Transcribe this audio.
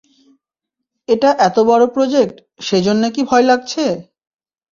এটা এতো বড় প্রজেক্ট, সে জন্য কী ভয় লাগছে?